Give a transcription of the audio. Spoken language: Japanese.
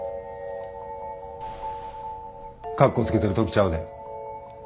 かっこつけてる時ちゃうで。